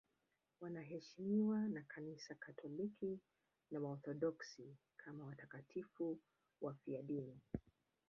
Wanaheshimiwa na Kanisa Katoliki na Waorthodoksi kama watakatifu wafiadini.